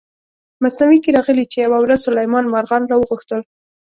مثنوي کې راغلي چې یوه ورځ سلیمان مارغان را وغوښتل.